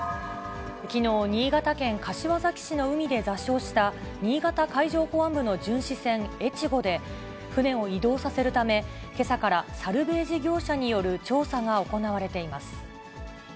きのう、新潟県柏崎市の海で座礁した新潟海上保安部の巡視船えちごで、船を移動させるため、けさからサルベージ業者による調査が行われています。